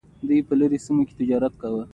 کان کيندل کېږي.